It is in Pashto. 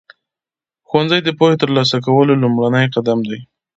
ښوونځی د پوهې ترلاسه کولو لومړنی قدم دی.